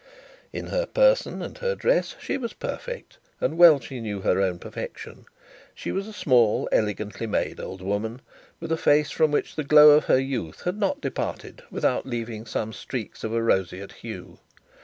In her person and her dress she was perfect, and well she knew her own perfection. She was a small elegantly made old woman, with a face from which the glow of her youth had not departed without leaving some streaks of a roseate hue.